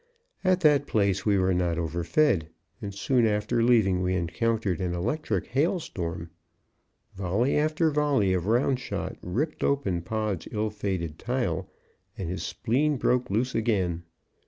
At that place we were not overfed, and soon after leaving we encountered an electric hail storm. Volley after volley of round shot ripped open Pod's ill fated tile, and his spleen broke loose again.